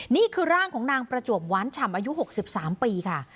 นี่คือร่างของนางประจวบหวานฉ่ำอายุ๖๓ปีค่ะ